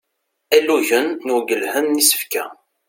Alugen n uwgelhen n isefka.